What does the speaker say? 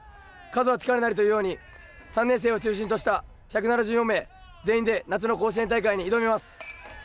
「数は力なり」というように３年生を中心とした１７４名全員で夏の甲子園大会に挑みます。